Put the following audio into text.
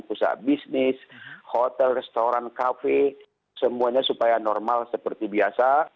pusat bisnis hotel restoran kafe semuanya supaya normal seperti biasa